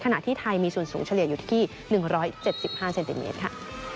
ขณะที่ไทยมีส่วนสูงเฉลี่ยอยู่ที่๑๗๕เซนติเมตรค่ะ